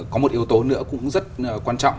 có một yếu tố nữa cũng rất quan trọng